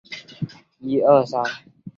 该报此后又有了较大发展。